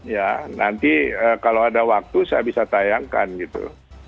ya nanti kalau ada waktu saya bisa tayangkan gitu